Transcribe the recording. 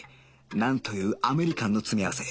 なんというアメリカンの詰め合わせ